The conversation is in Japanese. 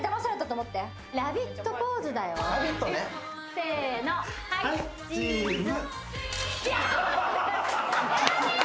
せーの、はいチーズ！